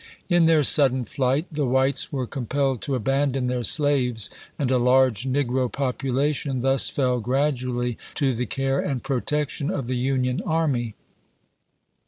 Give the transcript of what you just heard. In their sudden flight the whites were compelled to abandon their slaves, and a large negro population thus fell gradually to the care and protection of the Union army.